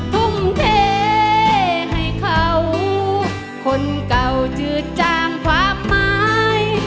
ทุ่มเทให้เขาคนเก่าจืดจางความหมาย